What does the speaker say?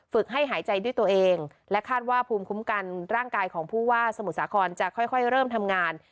ให้หายใจด้วยตัวเองและคาดว่าภูมิคุ้มกันร่างกายของผู้ว่าสมุทรสาครจะค่อยเริ่มทำงาน